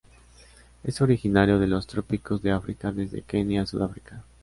Es originario de los trópicos de África desde Kenia a Sudáfrica.